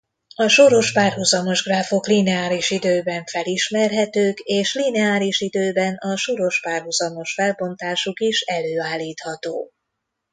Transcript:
A soros-párhuzamos gráfok lineáris időben felismerhetők és lineáris időben a soros-párhuzamos felbontásuk is előállítható.